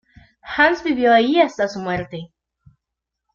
Hans vivió allí hasta su muerte.